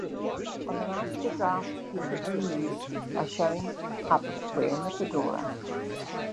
On the night of the draft, he hit the news by showing up wearing a fedora.